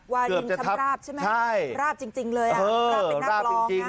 วารินชำราบใช่ไหมราบจริงเลยอ่ะราบเป็นนักร้องนะ